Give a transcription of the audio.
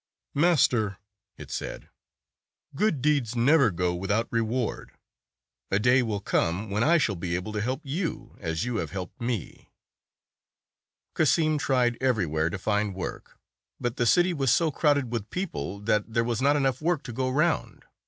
"Master," it said, "good deeds never go without reward. A day will come when I shall be able to help you, as you have helped me." Cassim tried everywhere to find work, but the city was so crowded with people, that there was not enough work to go round.